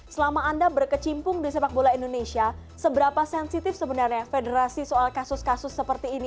selama anda berkecimpung di sepak bola indonesia seberapa sensitif sebenarnya federasi soal kasus kasus seperti ini